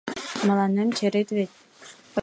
Мыланем черет вет...